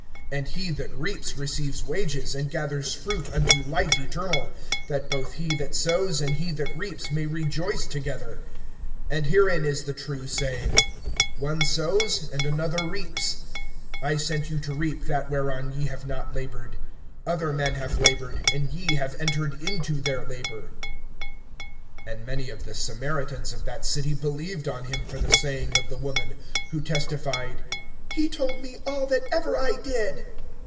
(36)And he that reaps receives wages, and gathers fruit unto life eternal; that both he that sows and he that reaps may rejoice together. (37)And herein is the true saying: One sows, and another reaps. (38)I sent you to reap that whereon ye have not labored. Other men have labored, and ye have entered into their labor. (39)And many of the Samaritans of that city believed on him for the saying of the woman, who testified: He told me all that ever I did.